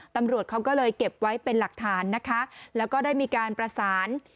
ตำรวจเขาก็เลยเก็บไว้เป็นหลักฐานนะคะแล้วก็ได้มีการประสาน